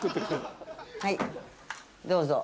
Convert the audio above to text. はいどうぞ。